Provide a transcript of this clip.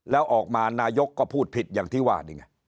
แล้วออกมานายกก็พูดผิดอย่างที่ว่านี่ไง